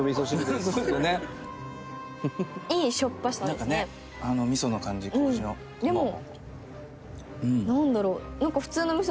でもなんだろう？